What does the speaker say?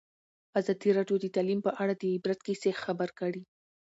ازادي راډیو د تعلیم په اړه د عبرت کیسې خبر کړي.